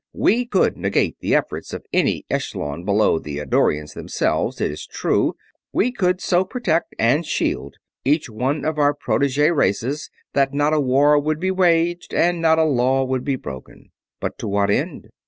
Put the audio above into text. We could negate the efforts of any echelon below the Eddorians themselves, it is true. We could so protect and shield each one of our protege races that not a war would be waged and not a law would be broken. But to what end?